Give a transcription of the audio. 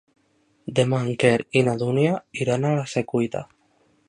Demà en Quer i na Dúnia iran a la Secuita.